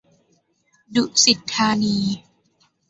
ดุสิตธานี